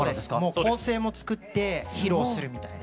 もう混声も作って披露するみたいな。